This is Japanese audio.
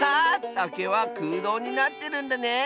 たけはくうどうになってるんだね！